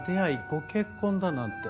ご結婚だなんて。